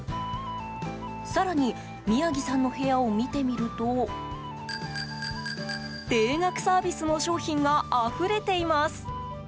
更に宮城さんの部屋を見てみると定額サービスの商品があふれています。